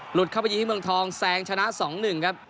เข้าไปยิงที่เมืองทองแซงชนะ๒๑ครับ